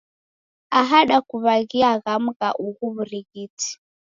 Aha dakuw'aghia ghamu gha ughu w'urighiti.